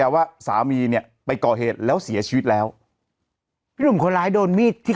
ยังไงยังไงยังไงยังไงยังไงยังไง